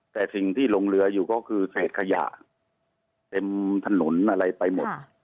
แต่สิ่งที่ลงเรืออยู่ก็คือเศษขยะเต็มถนนอะไรไปหมด